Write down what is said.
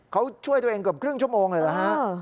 เขาช่วยตัวเองเกือบครึ่งชั่วโมงเลยเหรอฮะ